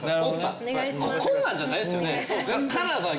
こんなんじゃないっすよね金田さん